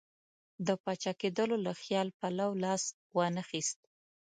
د پاچا کېدلو له خیال پلو لاس وانه خیست.